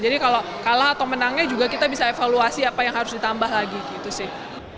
jadi kalau kalah atau menangnya juga kita bisa evaluasi apa yang harus ditambah lagi gitu sih